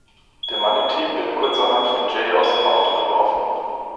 Der Mann im Team wird kurzerhand von Jay aus dem Auto geworfen.